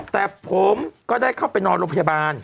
แต่ผมก็ได้เข้าไปนอนโรงพยาบาล